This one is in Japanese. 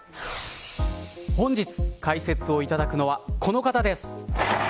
本日、解説をいただくのはこの方です。